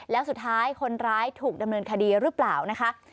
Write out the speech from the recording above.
แล้วสุดท้ายคนร้ายถูกดำเนินคดีหรือเปล่านะคะ